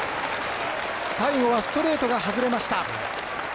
最後はストレートが外れました。